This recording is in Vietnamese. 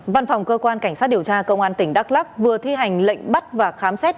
văn phòng cơ quan cảnh sát điều tra công an tỉnh đắk lắc vừa thi hành lệnh bắt và khám xét